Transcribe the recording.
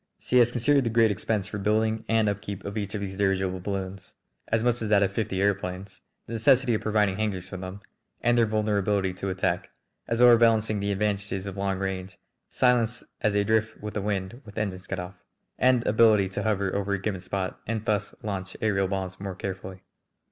She has considered the great expense for building and upkeep of each of these dirigible balloons as much as that of fifty aëroplanes the necessity of providing hangars for them, and their vulnerability to attack, as overbalancing the advantages of long range, silence as they drift with the wind with engines cut off, and ability to hover over a given spot and thus launch aërial bombs more carefully.